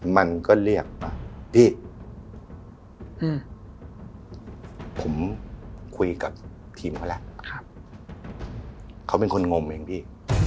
มันก็เรียกพี่ผมคุยกับทีมเขาแล้วเขาเป็นคนงมเองพี่